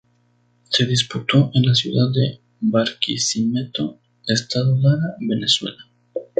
Se disputó en la ciudad de Barquisimeto, Estado Lara, Venezuela.